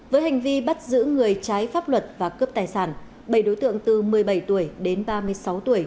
với hành vi bắt giữ người trái pháp luật và cướp tài sản bảy đối tượng từ một mươi bảy tuổi đến ba mươi sáu tuổi